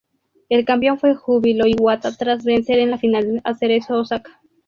El campeón fue Júbilo Iwata, tras vencer en la final a Cerezo Osaka.